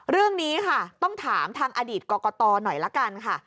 เรื่องนี้ค่ะต้องถามทางอดีตกรกตหน่อยละกันค่ะ